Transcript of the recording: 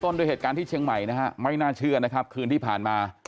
ต้นด้วยเหตุการณ์ที่เชียงใหม่อย่างน่าเชื่อวันที่ผ่านมา